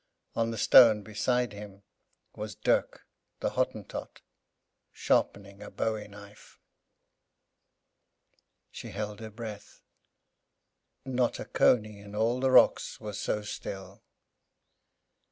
On the stone beside him was Dirk, the Hottentot, sharpening a bowie knife. She held her breath. Not a cony in all the rocks was so still.